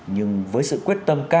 nhưng với sự quyết tâm cao của người ta